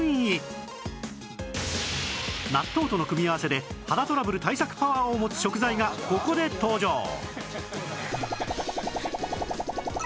納豆との組み合わせで肌トラブル対策パワーを持つ食材がここで登場